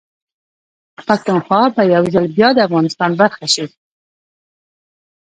پښتونخوا به يوځل بيا ده افغانستان برخه شي